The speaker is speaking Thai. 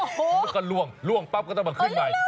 มันก็ล่วงล่วงปั๊บก็ต้องมาขึ้นใหม่